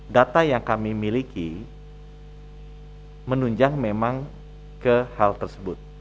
data yang kami miliki menunjang memang ke hal tersebut